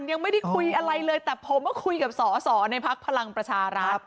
ยังไม่ได้คุยอะไรเลยแต่ผมก็คุยกับสอสอในภักดิ์พลังประชารัฐ